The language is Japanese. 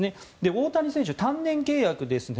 大谷選手、単年契約ですね。